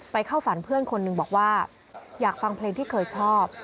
เข้าฝันเพื่อนคนหนึ่งบอกว่าอยากฟังเพลงที่เคยชอบ